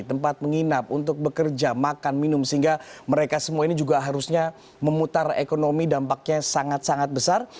tempat menginap untuk bekerja makan minum sehingga mereka semua ini juga harusnya memutar ekonomi dampaknya sangat sangat besar